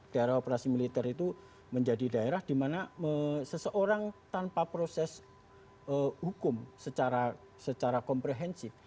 daerah operasi militer itu menjadi daerah di mana seseorang tanpa proses hukum secara komprehensif